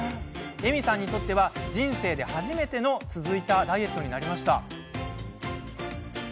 えみさんにとっては人生で初めて続いたダイエットになりました。